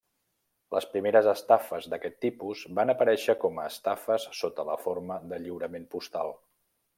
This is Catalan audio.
Les primeres estafes d'aquest tipus van aparèixer com estafes sota la forma de lliurament postal.